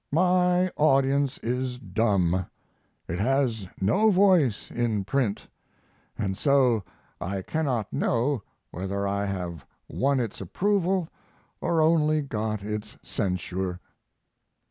.. My audience is dumb; it has no voice in print, and so I cannot know whether I have won its approval or only got its censure.